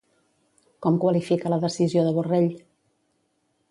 Com qualifica la decisió de Borrell?